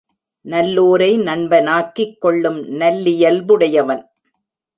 நல்லோரை நண்பனாக்கிக் கொள்ளும் நல்லியல்புடையவன்.